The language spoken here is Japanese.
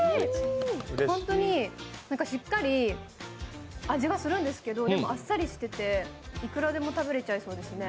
本当に、しっかり味がするんですけどでもあっさりしてていくらでも食べれちゃいそうですね。